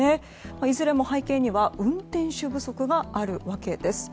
いずれも背景には運転手不足があるわけです。